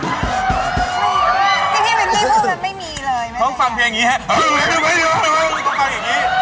พี่พี่มันพี่พูดมันไม่มีเลยมันฟังเพลงอย่างงี้ฮะฟังอย่างงี้